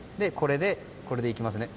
これでいきますね。